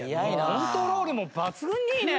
コントロールも抜群にいいね。